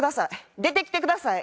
出てきてください。